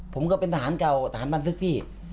ผมก็เป็นทหารเก่าทหารบันทึกพี่